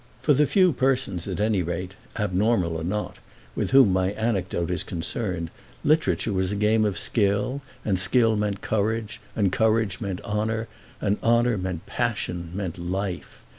For the few persons, at any rate, abnormal or not, with whom my anecdote is concerned, literature was a game of skill, and skill meant courage, and courage meant honour, and honour meant passion, meant life.